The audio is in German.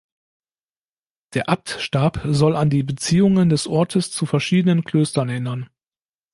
Der Abtstab soll an die Beziehungen des Ortes zu verschiedenen Klöstern erinnern.